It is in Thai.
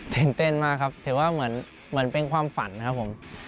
ตื่นเต้นมากครับถือว่าเหมือนเป็นความฝันครับผม